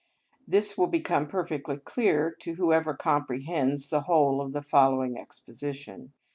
This will become perfectly clear to whoever comprehends the whole of the following exposition.